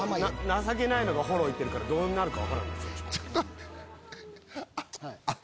情けないのがフォローいってるからどうなるか分からんぞ。